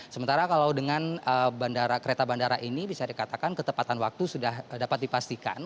sementara kalau dengan kereta bandara ini bisa dikatakan ketepatan waktu sudah dapat dipastikan